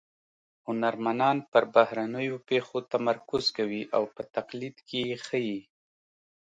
هنرمنان پر بهرنیو پېښو تمرکز کوي او په تقلید کې یې ښيي